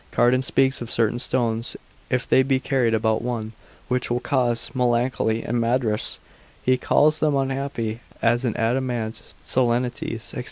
Cardan speaks of certain stones, if they be carried about one, which will cause melancholy and madness; he calls them unhappy, as an adamant, selenites, &c.